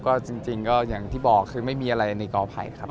ก็จริงก็อย่างที่บอกคือไม่มีอะไรในกอไผ่ครับ